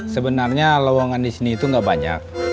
sebenarnya lowongan di sini itu nggak banyak